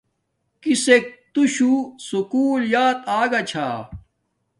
کسک تو شو سکُول یات آگا چھا